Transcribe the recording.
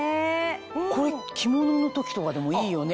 これ着物の時とかでもいいよね。